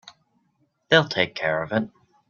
They'll take care of it.